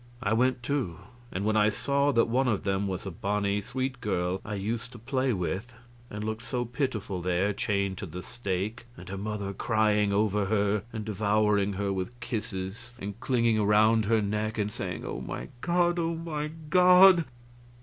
I went, too; but when I saw that one of them was a bonny, sweet girl I used to play with, and looked so pitiful there chained to the stake, and her mother crying over her and devouring her with kisses and clinging around her neck, and saying, "Oh, my God! Oh, my God!"